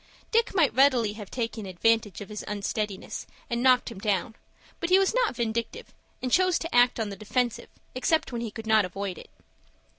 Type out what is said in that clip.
Dick might readily have taken advantage of his unsteadiness, and knocked him down; but he was not vindictive, and chose to act on the defensive, except when he could not avoid it.